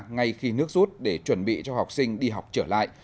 ngay khi nước rút để chuẩn bị cho học sinh đi học trở lại